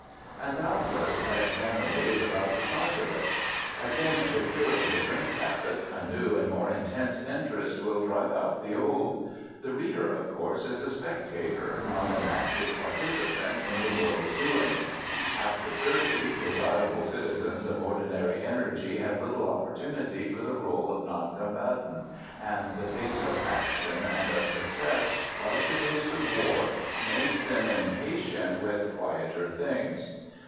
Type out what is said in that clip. And, doubtless, that generally is about the size of it. As in the cure of the drink habit, a new and more intense interest will drive out the old. The reader, of course, is a spectator, not an active participant in the world's doings. After thirty, desirable citizens of ordinary energy have little opportunity for the role of noncombatant, and the taste of action and of success, like the taste of war, makes them impatient with quieter things.